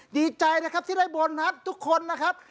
ดีใจนะครับที่ได้โบนัสทุกคนนะครับ